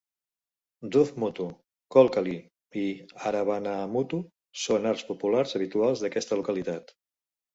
Duff Muttu, Kolkali i Aravanamuttu són arts populars habituals d'aquesta localitat.